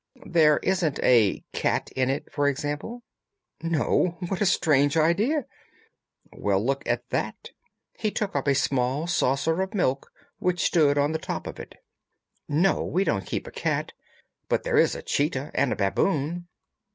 "There isn't a cat in it, for example?" "No. What a strange idea!" "Well, look at this!" He took up a small saucer of milk which stood on the top of it. "No; we don't keep a cat. But there is a cheetah and a baboon."